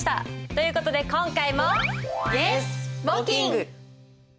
という事で今回も。